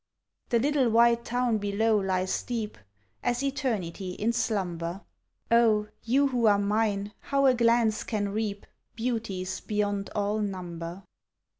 The little white town below lies deep As eternity in slumber. O, you who are mine, how a glance can reap Beauties beyond all number!